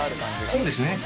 そうですね。